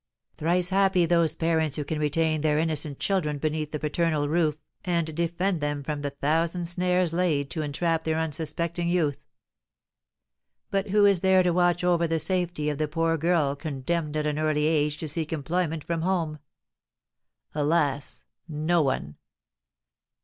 "Thrice happy those parents who can retain their innocent children beneath the paternal roof, and defend them from the thousand snares laid to entrap their unsuspecting youth. But who is there to watch over the safety of the poor girl condemned at an early age to seek employment from home? Alas, no one!